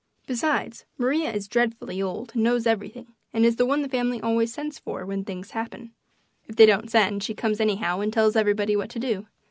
Besides, Maria is dreadfully old and knows everything and is the one the family always sends for when things happen. If they don't send she comes anyhow and tells everybody what to do.